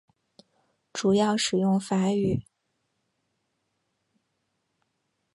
主要使用法语。